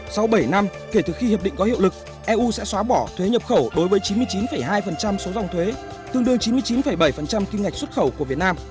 sau bảy năm kể từ khi hiệp định có hiệu lực eu sẽ xóa bỏ thuế nhập khẩu đối với chín mươi chín hai số dòng thuế tương đương chín mươi chín bảy kim ngạch xuất khẩu của việt nam